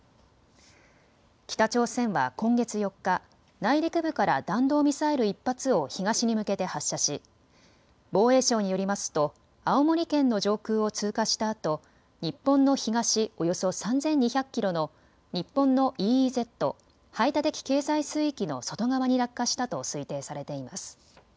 北朝鮮は今月４日、内陸部から弾道ミサイル１発を東に向けて発射し防衛省によりますと青森県の上空を通過したあと日本の東およそ３２００キロの日本のＥＥＺ・排他的経済水域の外側に落下したと推定されています。